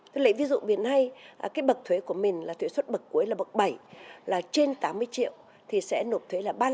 thì lấy ví dụ miền hay cái bậc thuế của mình là thuế xuất bậc cuối là bậc bảy là trên tám mươi triệu thì sẽ nộp thuế là ba mươi năm